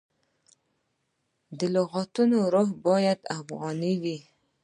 د لغتونو روح باید افغاني وي.